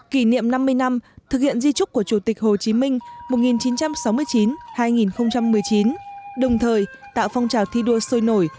kỷ niệm năm mươi năm thực hiện di trúc của chủ tịch hồ chí minh một nghìn chín trăm sáu mươi chín hai nghìn một mươi chín đồng thời tạo phong trào thi đua sôi nổi